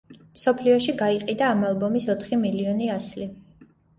მსოფლიოში გაიყიდა ამ ალბომის ოთხი მილიონი ასლი.